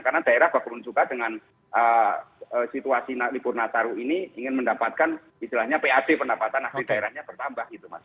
karena daerah bakulun juga dengan situasi libur nataru ini ingin mendapatkan isilahnya pad pendapatan nah disini daerahnya bertambah gitu mas